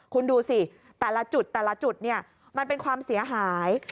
คุณดูสิแต่ละจุดแต่ละจุดเนี่ยมันเป็นความเสียหาย